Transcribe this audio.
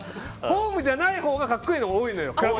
ホームじゃないほうが格好いいのが多いの。